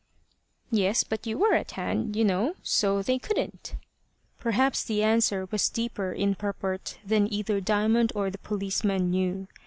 "Yes; but you were at hand, you know, so they couldn't." Perhaps the answer was deeper in purport than either Diamond or the policeman knew.